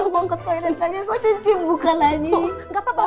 banget kalau ada kok sejak kal gutenga facebook